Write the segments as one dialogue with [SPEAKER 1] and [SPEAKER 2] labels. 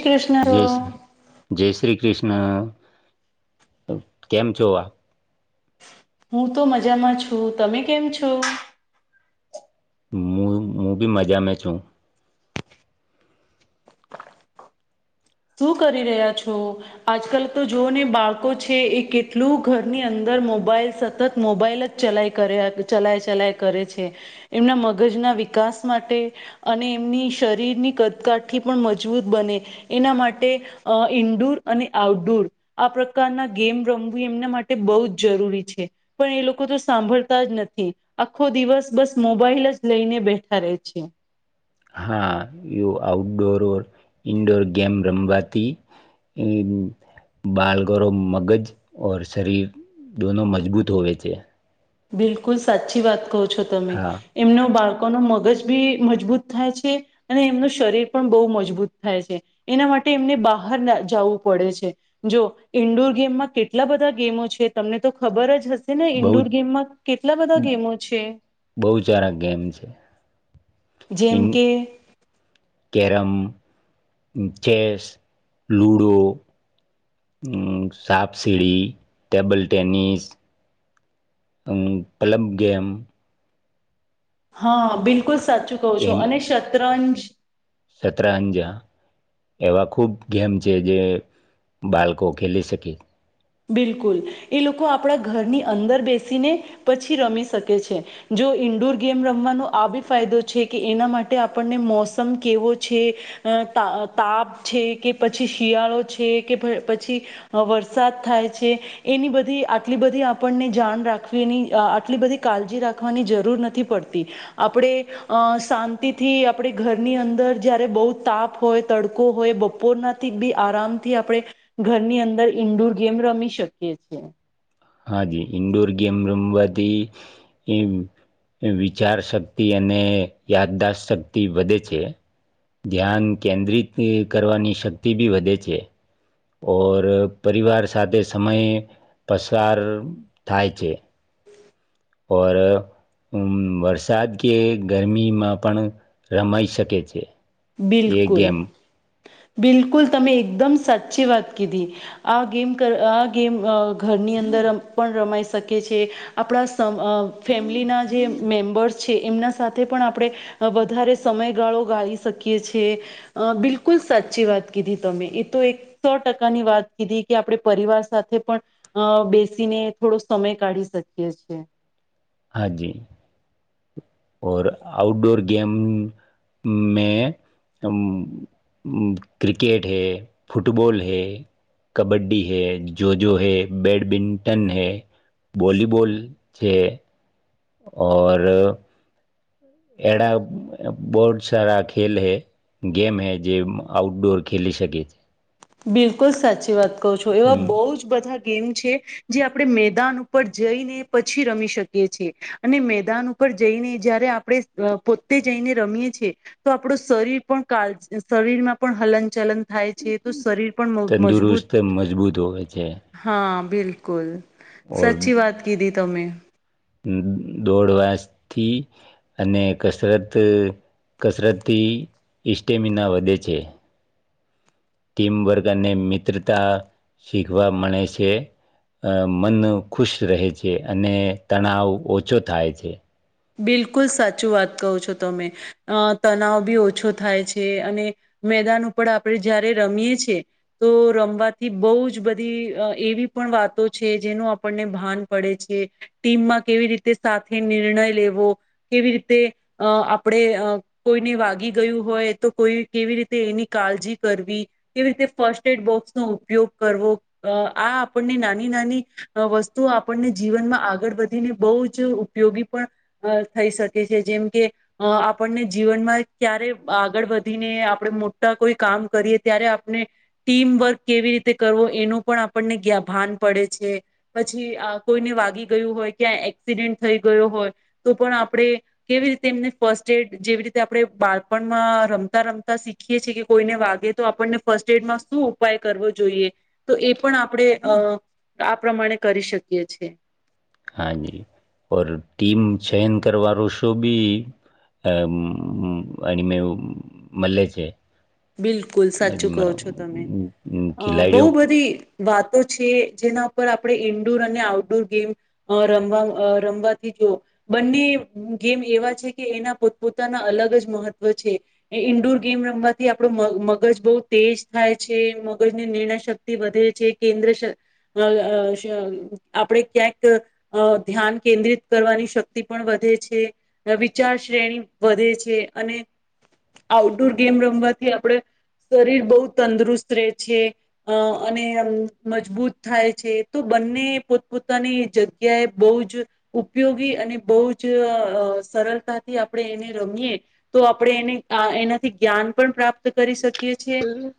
[SPEAKER 1] શ્રી કૃષ્ણ તો
[SPEAKER 2] જય શ્રી જય શ્રી કૃષ્ણ, કેમ છો આપ?
[SPEAKER 1] હું તો મજામાં છું, તમે કેમ છો?
[SPEAKER 2] હું, હું બી મજા મે છું.
[SPEAKER 1] શું કરી રહ્યા છો? આજકાલ તો જોને બાળકો છે એ કેટલું ઘરની અંદર મોબાઈલ સતત મોબાઈલ જ ચલાય કરે ચલાય ચલાય કરે છે, એમના મગજના વિકાસ માટે અને એમની શરીરની કદકાઠી પણ મજબૂત બને. એના માટે અહ ઈન્ડુર અને આઉટડુર આ પ્રકારના ગેમ રમવી એમના માટે બહુ જ જરૂરી છે, પણ એ લોકો તો સાંભળતા જ નથી. આખો દિવસ બસ મોબાઈલ જ લઈને બેઠા રહે છે.
[SPEAKER 2] હા યો આઉટડોર ઓર ઇનડોર ગેમ રમવાથી ઉમ્મ બાલગરો મગજ ઓર શરીર દોનો મજબૂત હોવે છે.
[SPEAKER 1] બિલકુલ સાચી વાત કહો છો, તમે
[SPEAKER 2] હા
[SPEAKER 1] એમનો બાળ ન મગજ બી મજબૂત થાય છે અને એમનું શરીર પણ લોકોનું મગજ બી મજબૂત થાય છે અને એમનું શરીર પણ બઉ મજબૂત થાય છે એના માટે એમને બહાર જવું પડે છે જો ઈન્ડોર ગેમમાં કેટલા બધા ગેમો છે તમને તો ખબર જ હશે. ને
[SPEAKER 2] બહુ
[SPEAKER 1] ઇડોર ગેમમાં કેટલા બધા ગેમો છે.
[SPEAKER 2] બહુ સારા ગેમ છે
[SPEAKER 1] જેમ
[SPEAKER 2] ઇન
[SPEAKER 1] કે
[SPEAKER 2] કેરમ, ચેસ, લુડો, સાપ સીડી, ટેબલ ટેનિસ હમ પ્લબ ગેમ
[SPEAKER 1] હા બિલકુલ સા સાચું કહો છો અને શતરંજ [inaudible]
[SPEAKER 2] સત્રઅંજા એવા ખુબ ગેમ છે જે બાળકો ખેલી શકે
[SPEAKER 1] બિલકુલ એ લોકો આપણા ઘરની અંદર બેસીને પછી રમી શકે છે જો ઇન્ડોર ગેમ રમવાનો આ બી ફાયદો છે કે એના માટે આપણને મોસમ કેવો છે તા તાપ છે કે પછી શિયાળો છે કે પછી વરસાદ થાય છે એની બધી આટલી બધી આપણને જાણ રાખવી નહીં અ આટલી બધી કાળજી રાખવાની જરૂર નથી પડતી આપણે અ શાંતિથી આપણે ઘરની અંદર જયારે બહુ તાપ હોય તડકો હોય બપોરનાથી બી આરામથી આપણે ઘરની અંદર ઇન્ડોર રમી શકીએ છે.
[SPEAKER 2] હાજી ઈન્ડોર ગેમ રમવાથી વિચાર શક્તિ અને યાદદાસ શક્તિ વધે છે ધ્યાન કેન્દ્રિત કરવાની શક્તિ બી વધે છે. ઔર પરિવાર સાથે સમય પસાર થાય છે. ઓર વરસાદ કે ગરમીમાં પણ રમાઈ શકે છે. એ
[SPEAKER 1] બિલકુલ
[SPEAKER 2] ગેમ
[SPEAKER 1] બિલકુલ તમે એકદમ સાચી વાત કીધી આ ગેમ આ ગેમ ઘરની અંદર પણ રમાઈ શકે છે આપણા સમ ફેમિલીના જે મેમ્બર્સ છે એમના સાથે પણ આપણે વધારે સમયગાળો ગાળી શ શકી છીએ બિલકુલ સાચી વાત કીધી તમે એ તો એક સો ટકાની વાત કીધી કે આપણે પરિવાર સાથે પણ બેસીને થોડો સમય કાઢી શકીએ છીએ.
[SPEAKER 2] હા જી ઔર આઉટડોર ગેમ મે હમ ક્રિકેટ હૈ ફુટબોલ હૈ કબડ્ડી હૈ જો જો હૈ બેડમિન્ટન હૈ વોલીબલ છે ઓર એડા બહુ જ સારા ખેલ હૈ ગેમ હૈ જે આઉટડોર ખેલી શકે છે.
[SPEAKER 1] બિલકુલ સાચી વાત. કહો છો એવા
[SPEAKER 2] હમ
[SPEAKER 1] બઉ જ બધા. ગેમ છે, જે આપણે મેદાન ઉપર જઈને પછી રમી શકીએ છેએ, અને મેદાન ઉપર જઈને જયારે આપણે પોતે જઈને રમીએ છીએ, તો આપડું શરીર પણ કળ શરીરમાં પણ હલન ચલન થાય. છે તો શરીર પણ મ મજબૂત
[SPEAKER 2] તંદુરસ્ત મજબૂત હોવે છે.
[SPEAKER 1] હા બિલકુલ.
[SPEAKER 2] ઓર
[SPEAKER 1] સાચી વાત કીધી તમે.
[SPEAKER 2] દોડવાસથી, અને કસરત કસરતથી સ્ટેમિના વધે છે. ટીમવર્ક અને મિત્રતા શીખવા મળે છે, મન ખુશ રહે છે અને તણાવ ઓછો થાય છે.
[SPEAKER 1] બિલકુલ સાચું વાત કહો છો તમે, અ તનાવ બી ઓછો થાય છે, અને મેદાન ઉપર આપણે જયારે રમીએ છે, તો રમવાથી બહુ જ બધી એવી પણ વાતો છે જેનું આપણને ભાન પડે છે, ટીમમાં કેવી રીતે સાથે નિર્ણય. લેવો, કેવી રીતે અ આપણે કોઈને વાગી ગયું હોય તો કોઈ કેવી રીતે એની કાળજી કરવી, કેવી રીતે ફર્સ્ટ એડ બોક્સ નો ઉપયોગ કરવો આ આપણને નાની નાની, વસ્તુઓ આપણને જીવનમાં આગળ વધીને બહુ જ ઉપયોગી પણ. અ થઈ શકે છે જેમ કે, આપણને જીવનમાં ક્યારે આગળ વધીને આપણે મોટા કોઈ કામ કરીએ ત્યારે આપણે, ટીમવર્ક કેવી રીતે કરવો એનું પણ આપણને ભાન પડે છે, પછી કોઈને વાગી ગયું હોય કે. એક્સિડેન્ટ થઈ ગયો હોય. તો પણ આપણે, કેવી રીતે એમને ફર્સ્ટ એડ જેવી રીતે આપણે બાળપણમાં રમતા રમતા શીખીએ છીએ કે કોઈને વાગે તો આપણને ફર્સ્ટ એડમાં શું ઉપાય કરવો જોઈએ, તો એ પણ આપણે અ આ પ્રમાણે કરી શકીએ છેીએ.
[SPEAKER 2] હા જી ઓર ટીમ ચયન કરવાો શો ભી આની મઇ મલે છે.
[SPEAKER 1] બિલકુલ સાચું કહો છો તમે, અ બહુ
[SPEAKER 2] ખિલાડીઓ
[SPEAKER 1] બધી વાતો. છે જેના ઉપર આપણે ઈન્ડુર અને આઉટડુર ગેમ રમવા અહ રમવાથી જો બંને ગેમ એવા છે કે એના પોતપોતાના અલગ જ મહત્વ છે. એ ઈન્ડુર ગેમ રમવા થી આપણું મગ મગજ બહુ તેજ થાય છે, મગજની નિર્ણય શક્તિ વધે છે, કેન્દ્ર શ અહ અહ સમ આપણે ક્યાંક ધ્યાન કેન્દ્રિત કરવાની શક્તિ પણ વધે છે, વિચાર શ્રેણી વધે છે, અને આઉટડુર ગેમ રમવા થી આપણે શરીર બહુ તંદુરુસ્ત રહે છે, અને મજબૂત થાય છે તો બંને પોતપોતાની જગ્યાએ બહુ જ ઉપયોગી અને બહુ જ અહ સરળતાથી આ આપણે એને રમીએ, તો આપણે એને અહ એનાથી જ્ઞાન પણ પ્રાપ્ત કરી શકે છે. એ છે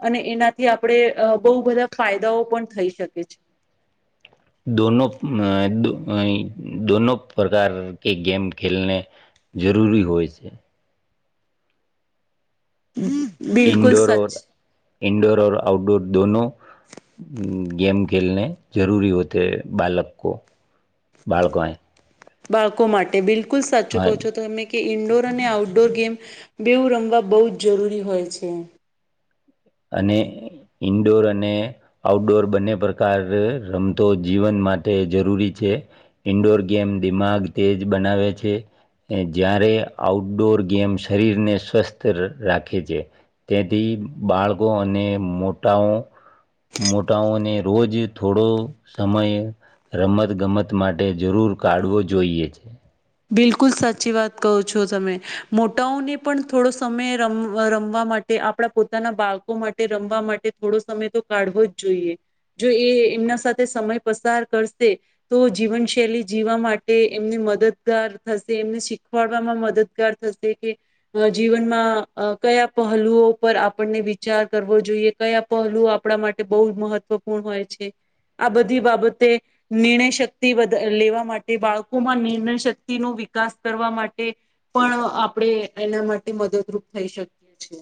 [SPEAKER 1] અને એનાથી આપણે બહુ બધા ફાયદાઓ પણ થઈ શકે. કે છે
[SPEAKER 2] દોનો અહ દો અહી દોનો પ્રકાર કે ગેમ ખેલને જરૂરી હોય છે.
[SPEAKER 1] બિલકુલ સચ.
[SPEAKER 2] ઇન્ડોર ઓર આઉટડોર દોનો ગેમ ખેલને જરૂરી હોતે હે બાલકકો, બાળકાને.
[SPEAKER 1] બાળકો માટે બિલ કુલ સાચું કહો છો તો તમે. કે ઇન્ડોર અને આઉટડોર ગેમ, બેઉું રમવા બહુ જ જરૂરી હોય છે.
[SPEAKER 2] અને ઈન્ડોર અને આઉટડોર બંને પ્રકાર રમતો જીવન માટે જરૂરી છે. ઈન્ડોર ગેમ દિમાગ તેજ બનાવે છે, જ્યારે આઉટડોર ગેમ શરીરને સ્વસ્થ રાખે છે. તેથી બાળ કો અને મોટાઓ, મોટાઓને રોજ થોડો સમય રમત ગમત માટે જરૂર કાઢવો જોઈએ.
[SPEAKER 1] બિલકુલ સાચી વાત કહો છો તમે, મોટાઓને પણ થોડો સમય રમ રમવા માટે આપણા પોતાના બાળકો માટે રમવા માટે થોડો સમય તો કાઢવો જ જોઈએ. જો એ એમના સાથે સમય પસાર કરશે, તો જીવનશૈલી જીવવા માટે એમની મદદ ગાર થશે, એમને શીખવાડવામાં મદદગાર થશે કે, અહ જીવનમાં કયા પહેલુઓ પર આપણને વિચાર કરવો જોઈએ, કયા પહેલુ આપણા માટે બહુ મહત્વપૂર્ણ હોય છે, આ બધી બાબતે, નિર્ણય શક્તિ વધ લેવા માટે બાળકોમાં નિર્ણય શક્તિ નો વિકાસ કરવા માટે પણ આપણે એના માટે મદદરૂપ થઈ શકીએ છે.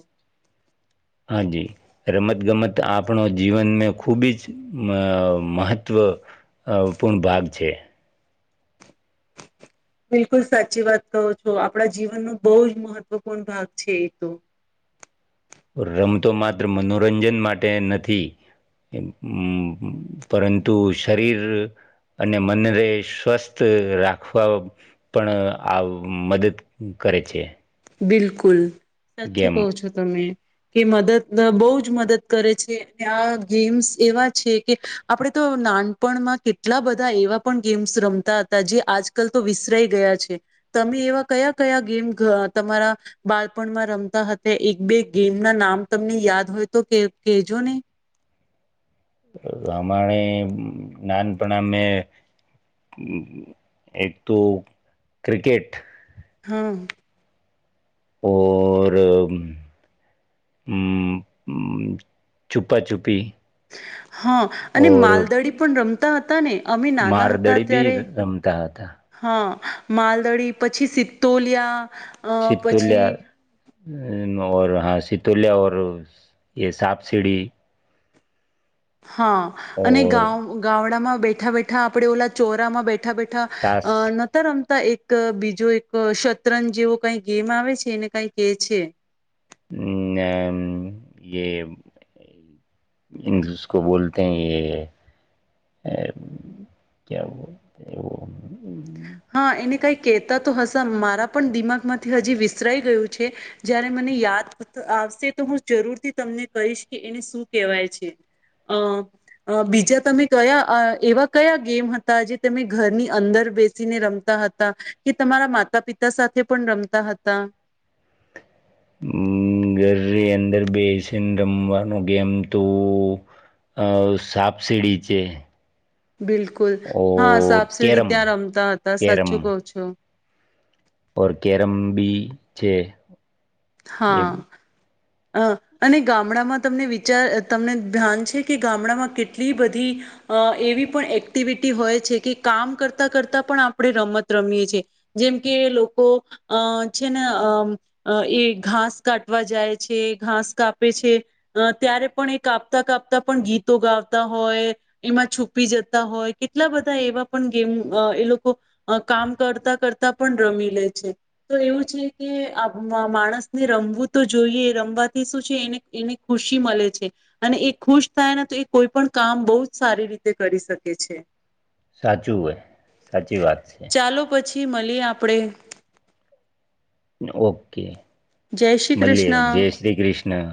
[SPEAKER 2] હાજી રમતગમત આપણો જીવનને ખૂબી જ મહત્વપૂર્ણ ભાગ છે.
[SPEAKER 1] બિલકુલ સાચી વાત કહો છો આપણા જીવનનો બહુ જ મહત્વપૂર્ણ ભાગ છે એ તો.
[SPEAKER 2] રમતો માત્ર મનોરંજન માટે નથી. [unintelligible] હા પરંતુ. શરીર અને મનને સ્વસ્થ રાખવા પણ આ મદદ કરે છે.
[SPEAKER 1] બિલકુલ સાચું કો
[SPEAKER 2] ગેમ
[SPEAKER 1] છો તમે કે મદદ બહુ જ મદદ કરે છે, ત્યાં ગેમ્સ એવા છે, કે આપણેે તો નાનપણમાં કેટલા બધા એવા પણ ગેમ્સ રમતા હતા, જે આજકાલ તો વિસરાઈ ગયા છે તમે એવા કયા કયા ગેમ તમારા બાળપણમાં રમતા હતા, એક બે ગેમ ના નામ તમને યાદ હોય તો કેહેજો ને
[SPEAKER 2] [inaudible] બાડપણા મે એક તો ક્રિકેટ
[SPEAKER 1] હા
[SPEAKER 2] ઓર અ છુપા છુપી
[SPEAKER 1] હા અને
[SPEAKER 2] ઓર
[SPEAKER 1] માલદડી પણ રમતા હતા ને, અમે નાના હતા
[SPEAKER 2] મારદડી બી
[SPEAKER 1] ત્યારે
[SPEAKER 2] રમતા હતા
[SPEAKER 1] હા માલદડી પછી સિત્તોલિયા અ પછી
[SPEAKER 2] સીતોલયા હ હા સિતોલ્યા ઓર યે સાપ સીડી
[SPEAKER 1] હા અને ગાવ ગામડામાં બેઠ બેઠા બેઠા આપડે ઓલા ચોરામાં બેઠા બેઠા નતા રમતા એક અહ બીજો એક શતરંજ જેવો કાઈ ગેમ આવે છે ને કાઈક કે છે.
[SPEAKER 2] [unintelligible] યે જિસકો બોલતે હૈ યેહ ક્યા બોલ
[SPEAKER 1] કેતા તો હસન મારા પણ દિમાગ માંથી હજી વિસરાઈ ગયું છે, જયારે મને યાદ આવશે તો હું જરૂરથી તમને કહીશ કે, એને શું કેહેવાય છે. અહ બીજા તમે કયા અહ એવા કયા ગેમ હતા જે તમે ઘરની અંદર બેસી ને રમતા હતા, કે તમારા માતા પિતા સાથે પણ રમતા હતા.
[SPEAKER 2] ઉમ્મ ઘરની અંદર બેસીન રમવાનું ગેમ તો અહ સાપ સીડી છે.
[SPEAKER 1] બિલકુલ, હા
[SPEAKER 2] ઓર
[SPEAKER 1] સાપ સીડી
[SPEAKER 2] કેરમ
[SPEAKER 1] ત્યાં રમતા હતા
[SPEAKER 2] કેરમ
[SPEAKER 1] સાચું કહો છો.
[SPEAKER 2] ઓર કેરમ બી છે. એ
[SPEAKER 1] હા. અહ અને ગામડામાં તમને વિચાર તમને ધ્યાન છે કે ગામડામાં કેટલી બધી અહ એવી પણ એક્ટિવિટી હોય છે, કે કામ કરતા કરતા પણ આપણે રમત રમીએ છે, જેમ કે લોકો અહ છેને અહ અહ એ ઘાસ કાટવા જાય છે, ઘાસ કાપે છે, અહ ત્યારે પણ એ કાપતા-કાપતા પણ ગીતો ગાવતા હોય, એમાં છુપી જતા હોય કેટલા બધા એવા પણ ગેમ અહ એ લોકો અહ કામ કરતા કર તા પણ રમી લે છે. તો એવું છે કે આ મા માણસ ને રમવું તો જોઈએ રમવાથી શું છે, એને એને ખુશી મલે છે, અને એ ખુશ થાય ને, તો એ કોઈ પણ કામ બહુ જ સારી રીતે કરી શકે છે.
[SPEAKER 2] સાચું હોય, સાચી વાત છે.
[SPEAKER 1] આપડે.
[SPEAKER 2] ઓકે.
[SPEAKER 1] શ્રી
[SPEAKER 2] મલીએ
[SPEAKER 1] કૃષ્ણ
[SPEAKER 2] જય શ્રી કૃષ્ણ.